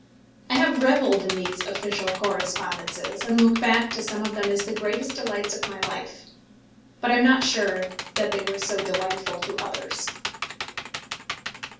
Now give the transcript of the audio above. I have revelled in these official correspondences, and look back to some of them as the greatest delights of my life. But I am not sure that they were so delightful to others.